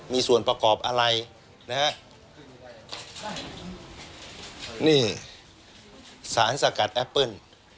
มีส่วนประกอบอะไรนะฮะนี่สารสกัดแอปเปิ้ล